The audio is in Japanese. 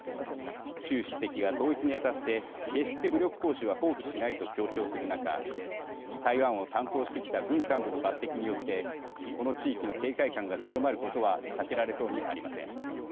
習主席が統一にあたって決して武力行使は放棄しないと強調する中台湾を担当してきた軍幹部の抜てきによってこの地域の警戒感が強まることは避けられそうにありません。